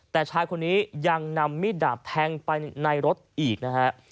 แต่ชายคนนี้ยังนำมีดดาบแทงไปในรถอีกนะฮะ